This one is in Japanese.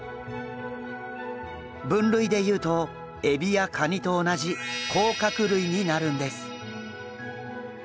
分類でいうとエビやカニと同じ甲殻類になるんです。